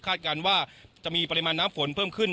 การว่าจะมีปริมาณน้ำฝนเพิ่มขึ้น